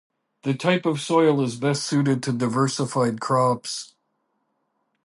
Its type of soil is best suited to diversified crops.